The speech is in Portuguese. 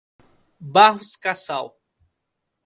Barros Cassal